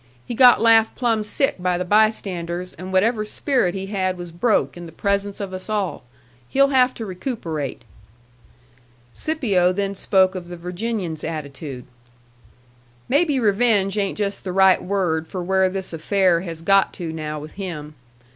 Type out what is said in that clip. He got laughed plumb sick by the bystanders, and whatever spirit he had was broke in the presence of us all. He'll have to recuperate." Scipio then spoke of the Virginian's attitude. "Maybe revenge ain't just the right word for where this affair has got to now with him.